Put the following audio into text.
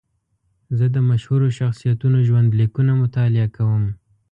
زه د مشهورو شخصیتونو ژوند لیکونه مطالعه کوم.